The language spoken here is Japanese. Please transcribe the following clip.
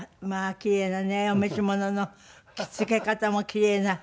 キレイなねお召し物の着付け方もキレイな。